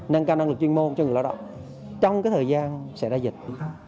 nâng cao năng lực chuyên môn cho người lao động trong cái thời gian sẽ đại dịch